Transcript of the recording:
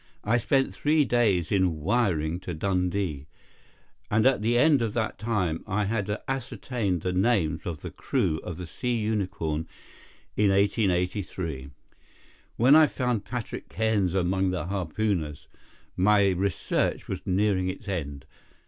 I spent three days in wiring to Dundee, and at the end of that time I had ascertained the names of the crew of the Sea Unicorn in 1883. When I found Patrick Cairns among the harpooners, my research was nearing its end.